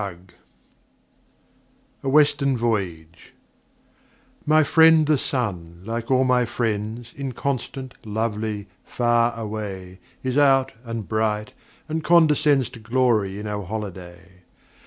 93 A Western Voyage My friend the Sun — ^like all my friends Inconstant, lovely, far away — Is out, and bright, and condescends To glory in our holiday.